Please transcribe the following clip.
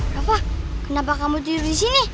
bapak kenapa kamu tidur di sini